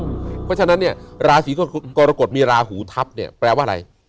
เพราะฉะนั้นเนี่ยราศีกรกฎมีราหูทัพเนี่ยแปลว่าอะไร